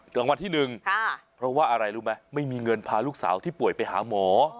รางวัลที่หนึ่งเพราะว่าอะไรรู้ไหมไม่มีเงินพาลูกสาวที่ป่วยไปหาหมอ